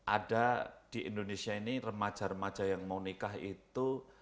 ada di indonesia ini remaja remaja yang mau nikah itu